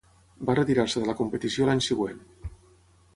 Va retirar-se de la competició l'any següent.